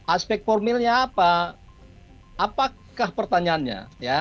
aspek formilnya apa apakah pertanyaannya